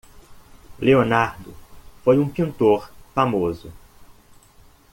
Leonardo foi um pintor famoso.